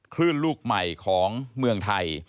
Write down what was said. คลื่นลูกใหม่ของเมืองไทย